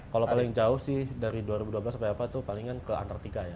kalau paling jauh sih dari dua ribu dua belas sampai apa itu palingan ke antartika ya